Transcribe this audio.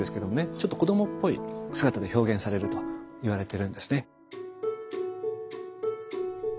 ちょっと子どもっぽい姿で表現されるといわれてるんですね。